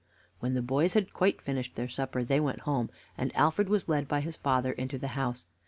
When the boys had quite finished their supper they went home, and Alfred was led by his father into the house.